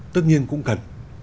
tất nhiên cũng cần